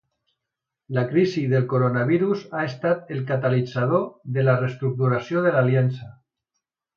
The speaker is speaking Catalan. La crisi del coronavirus ha estat el catalitzador de la reestructuració de l’aliança.